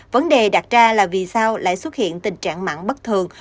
vấn đề đặt ra là vì sao lại xuất hiện tình trạng mặn bất thường